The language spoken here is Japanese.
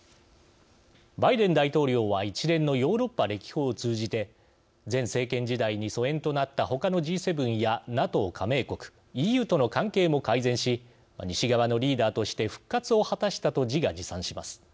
バイデン大統領は一連のヨーロッパ歴訪を通じて前政権時代に疎遠となったほかのＧ７やＮＡＴＯ加盟国ＥＵとの関係も改善し西側のリーダーとして復活を果たしたと自画自賛します。